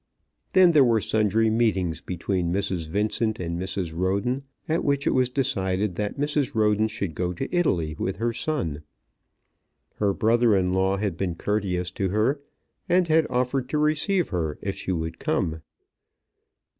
Then there were sundry meetings between Mrs. Vincent and Mrs. Roden, at which it was decided that Mrs. Roden should go to Italy with her son. Her brother in law had been courteous to her, and had offered to receive her if she would come.